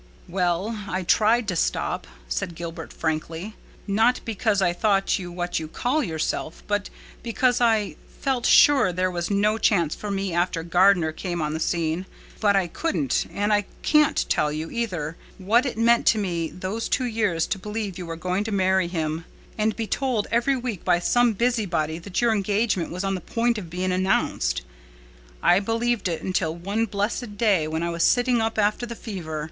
"Well, I tried to stop," said Gilbert frankly, "not because I thought you what you call yourself, but because I felt sure there was no chance for me after Gardner came on the scene. But I couldn't—and I can't tell you, either, what it's meant to me these two years to believe you were going to marry him, and be told every week by some busybody that your engagement was on the point of being announced. I believed it until one blessed day when I was sitting up after the fever.